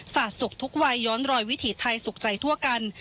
สุขทุกวัยย้อนรอยวิถีไทยสุขใจทั่วกัน